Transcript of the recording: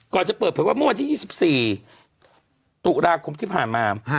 จะเปิดเผยว่าเมื่อวันที่๒๔ตุลาคมที่ผ่านมา